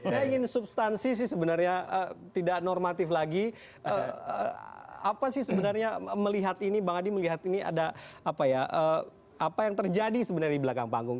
saya ingin substansi sih sebenarnya tidak normatif lagi apa sih sebenarnya melihat ini bang adi melihat ini ada apa ya apa yang terjadi sebenarnya di belakang panggung